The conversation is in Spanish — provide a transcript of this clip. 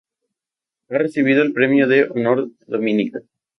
Ha recibido el Premio de Honor Dominica.